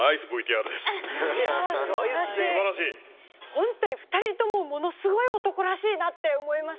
ホントに２人ともものすごい男らしいなって思います。